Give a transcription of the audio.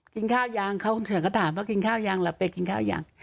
กินข้าวยังเขาถามว่ากินข้าวยังล่ะไปกินข้าวยัง